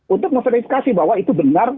untuk memverifikasi bahwa itu benar